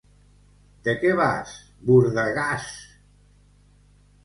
—De què vas, bordegàs!